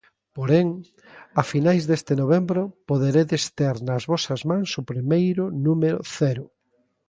Porén, a finais deste novembro, poderedes ter nas vosas mans o primeiro número cero.